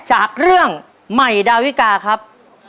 จากเรื่องใหม่ดาวิกาครับ